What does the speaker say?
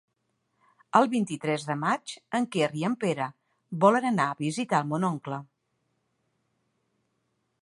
El vint-i-tres de maig en Quer i en Pere volen anar a visitar mon oncle.